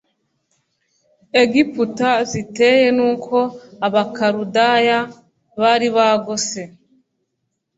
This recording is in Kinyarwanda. egiputa ziteye nuko abakaludaya bari bagose